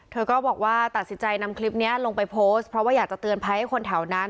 เธอก็บอกว่าตัดสินใจนำคลิปนี้ลงไปโพสต์เพราะว่าอยากจะเตือนภัยให้คนแถวนั้น